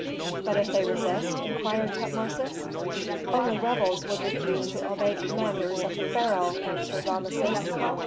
"But if they resist?" inquired Tutmosis. "Only rebels would refuse to obey commanders of the pharaoh," answered Rameses.